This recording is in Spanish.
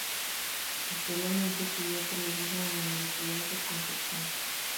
Posteriormente estudió periodismo en la Universidad de Concepción.